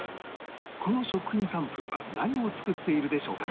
この食品サンプルは何を作っているでしょうか？